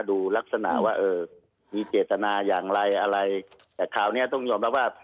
ดูลักษณะว่ามีเกตนาอย่างไรแต่คราวนี้ต้องยอมรับว่า